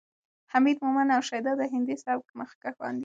حمید مومند او شیدا د هندي سبک مخکښان دي.